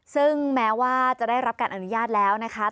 ซึ่งแม้ว่าจะได้รับการอนุญาตแล้วนะคะ